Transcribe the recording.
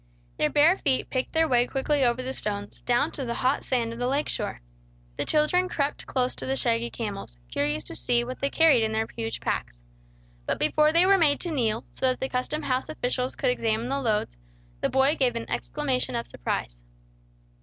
Their bare feet picked their way quickly over the stones, down to the hot sand of the lake shore. The children crept close to the shaggy camels, curious to see what they carried in their huge packs. But before they were made to kneel, so that the custom house officials could examine the loads, the boy gave an exclamation of surprise.